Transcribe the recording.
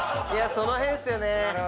その辺っすよね。